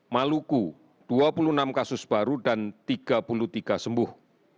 maluku dua puluh enam kasus baru dan tiga puluh tiga sembuh